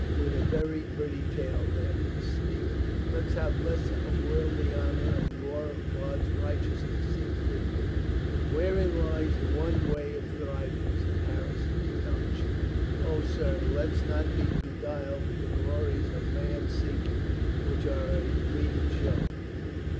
"With a very pretty tale," Lambert sneered. "Let's have less of worldly honor and more of God's righteousness," said Fleetwood. "Wherein lies the one way of thriving," said Har rison, with unction. "O, sir, let's not be beguiled with the glories of man's seeking, which are a fleet ing show."